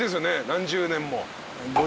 何十年も。